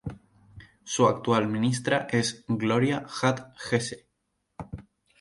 Su actual ministra es Gloria Hutt Hesse.